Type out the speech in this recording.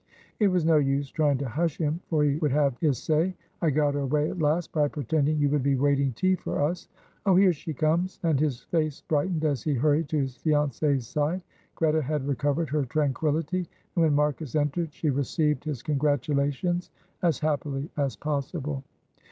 It was no use trying to hush him, for he would have his say. I got her away at last by pretending you would be waiting tea for us. Oh, here she comes," and his face brightened as he hurried to his fiancée's side. Greta had recovered her tranquillity, and when Marcus entered she received his congratulations as happily as possible.